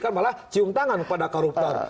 kan malah cium tangan kepada koruptor